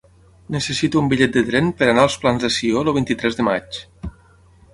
Necessito un bitllet de tren per anar als Plans de Sió el vint-i-tres de maig.